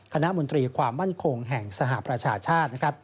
มนตรีความมั่นคงแห่งสหประชาชาติ